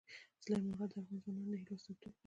سلیمان غر د افغان ځوانانو د هیلو استازیتوب کوي.